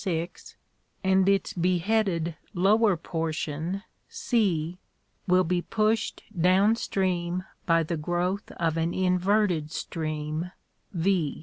6, and its beheaded lower portion, C, will be pushed down stream by the growth of an inverted stream, V.